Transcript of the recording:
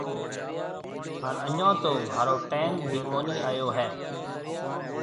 هانَ اَڃون تو مهارو ٽيم ڀِي ڪونهي آيو هيَ۔